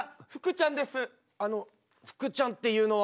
あのふくちゃんっていうのは。